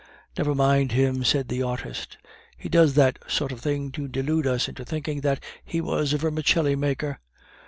"Never mind him," said the artist; "he does that sort of thing to delude us into thinking that he was a vermicelli maker."